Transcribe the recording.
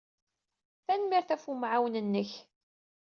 Tanemmirt ɣef wemɛawen-nnek.